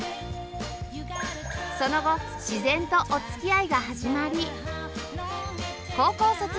その後自然とお付き合いが始まり